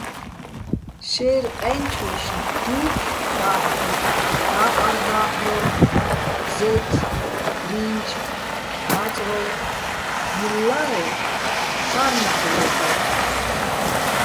შეჲრ ყე́ნჩუჲშნ დუ́ფხო̆ და́ჰ̦ორ, და́ყარ დაჰ̦ორ, ზეთ, ბრინჯ, მაწროლ, ვილლა́ერ, შარნაჸ ვო́ტურ.